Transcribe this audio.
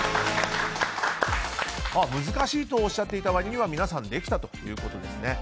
難しいとおっしゃっていた割には皆さん、できたということですね。